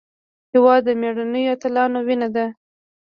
هېواد د مېړنیو اتلانو وینه ده.